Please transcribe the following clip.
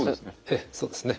ええそうですね。